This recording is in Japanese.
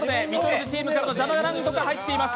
図チームからの邪魔が入っています。